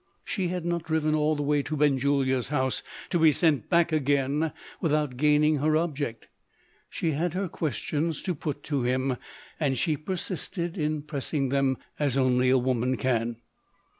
She had not driven all the way to Benjulia's house to be sent back again without gaining her object: she had her questions to put to him, and she persisted in pressing them as only a woman can.